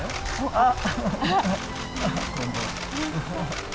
あっ。